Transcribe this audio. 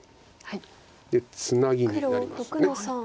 ツナギになります。